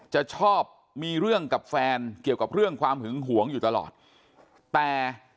จะชอบมีเรื่องกับแฟนเกี่ยวกับเรื่องความหึงหวงอยู่ตลอดแต่